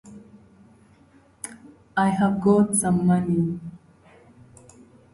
"Rocky Balboa" was produced as the concluding sequel to the original "Rocky" film.